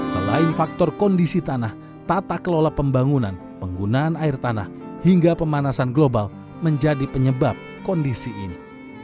selain faktor kondisi tanah tata kelola pembangunan penggunaan air tanah hingga pemanasan global menjadi penyebab kondisi ini